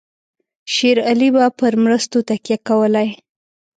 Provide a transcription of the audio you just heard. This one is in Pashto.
شېر علي به پر مرستو تکیه کولای.